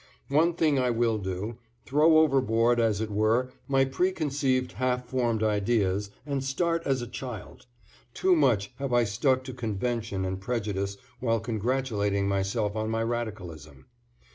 One thing I will do throw overboard as it were my preconceived half formed ideas and start as a child. Too much have I stuck to convention and prejudice while congratulating myself on my radicalism.